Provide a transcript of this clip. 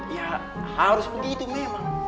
ya harus begitu memang